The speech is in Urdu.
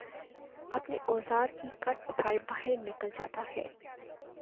اپنے اوزار کی کٹ اٹھائے باہر نکل جاتا ہے